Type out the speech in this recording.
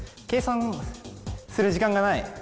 計算する時間がない。